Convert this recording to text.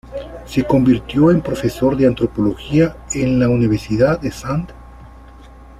Se convirtió en profesor de antropología en la Universidad de St.